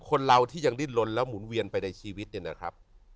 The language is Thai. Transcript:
คนเราที่ยังดิ้นลนแล้วหมุนเวียนไปในชีวิตเนี่ยนะครับ